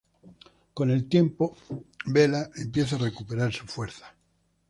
Con el tiempo, Bella empieza a recuperar su fuerza.